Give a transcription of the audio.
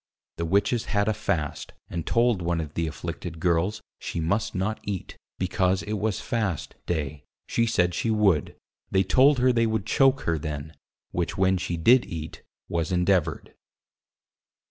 The Witches had a Fast, and told one of the Afflicted Girles, she must not Eat, because it was Fast Day, she said, she would: they told her they would Choake her then; which when she did eat, was endeavoured.